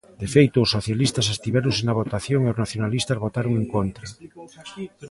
De feito, os socialistas abstivéronse na votación e os nacionalistas votaron en contra.